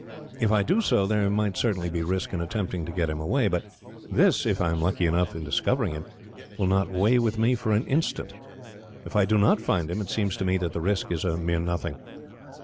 If I do so, there might certainly be risk in attempting to get him away; but this, if I am lucky enough in discovering him, will not weigh with me for an instant. If I do not find him, it seems to me that the risk is a mere nothing.